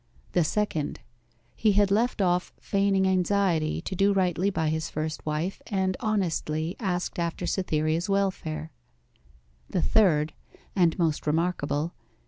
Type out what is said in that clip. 'The second. He had left off feigning anxiety to do rightly by his first wife, and honestly asked after Cytherea's welfare. 'The third (and most remarkable).